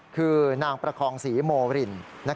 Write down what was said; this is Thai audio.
คือนางประคองศรีโมริน